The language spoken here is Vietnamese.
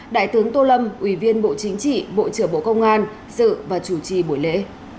đại tướng tô lâm ủy viên bộ chính trị bộ trưởng bộ công an sự và chủ trì buổi lễ